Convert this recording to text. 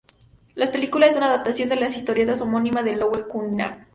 La película es una adaptación de la historieta homónima de Lowell Cunningham.